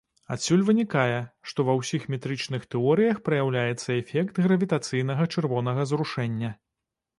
Адсюль вынікае, што, ва ўсіх метрычных тэорыях праяўляецца эфект гравітацыйнага чырвонага зрушэння.